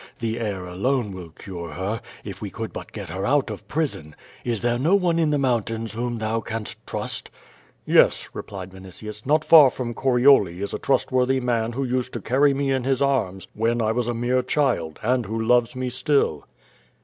The air alone will cure her, if we could but get her out of prison. Is there no one in the mountains whom thou canst trust?" "Yes," replied Vinitius, "not far from Corioli is a trust worthy man who used to carry me in his arms when 1 was a mere child, and who loves me still."